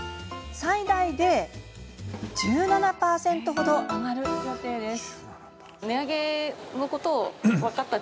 最大で１７％程、上がる予定です。